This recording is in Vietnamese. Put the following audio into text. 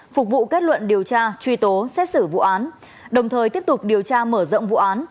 phục vụ kết luận điều tra truy tố xét xử vụ án đồng thời tiếp tục điều tra mở rộng vụ án